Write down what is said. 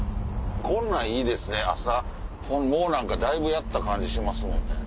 こんなんいいですね朝だいぶやった感じしますもんね。